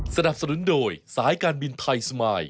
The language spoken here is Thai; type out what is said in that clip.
สนับสนุนโดยสายการบินไทยสมาย